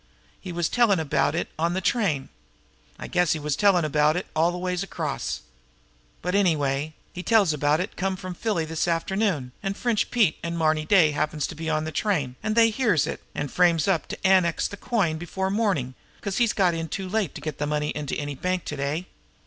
He was tellin' about it on the train. I guess he was tellin' about it all the way across. But, anyway, he tells about it comm' from Philly this afternoon, an' French Pete an' Marny Day happens to be on the train, an' they hears it, an' frames it up to annex the coin before morning, 'cause he's got in too late to get the money into any bank to day."